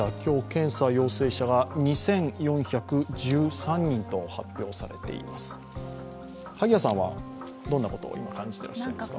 検査陽性者が２４１３人と発表されています。